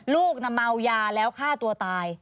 ลูกน่ะเมายาแล้วฆ่าตัวตาย